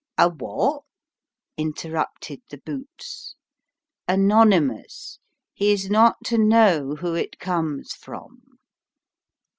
" A what ?" interrupted the boots. " Anonymous he's not to know who it comes from."